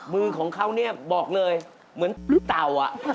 มือของเขาเนี่ยบอกเลยเหมือนเต่า